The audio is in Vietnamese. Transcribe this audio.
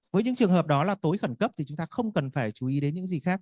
với những trường hợp đó là tối khẩn cấp thì chúng ta không cần phải chú ý đến những gì khác